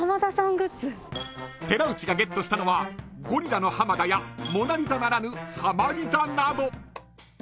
［寺内がゲットしたのはゴリラの浜田や『モナ・リザ』ならぬ『ハマ・リザ』など］